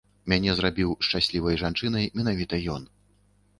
Мяне зрабіў шчаслівай жанчынай менавіта ён.